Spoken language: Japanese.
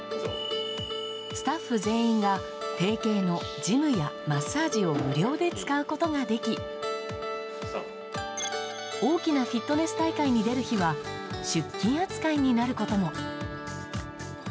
スタッフ全員が提携のジムやマッサージを無料で使うことができ大きなフィットネス大会に出る日は出勤扱いになることも。